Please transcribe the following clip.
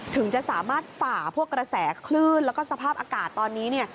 ถึงจะสามารถฝ่าพวกกระแสคลื่นแล้วก็สภาพอากาศตอนนี้เนี่ย